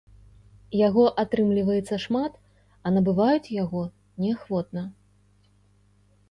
Яго атрымліваецца шмат, а набываюць яго неахвотна.